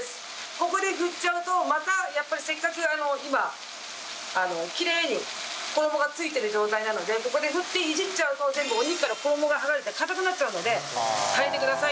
ここで振っちゃうとまたやっぱりせっかく今きれいに衣が付いてる状態なのでここで振っていじっちゃうと全部お肉から衣が剥がれて硬くなっちゃうので耐えてくださいね。